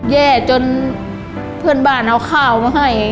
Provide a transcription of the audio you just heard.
แย่จนเพื่อนบ้านเอาข้าวมาให้